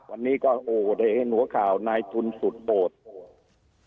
วันนี้ก็โอเดหัวข่าวนายทุนสุดโบสถ์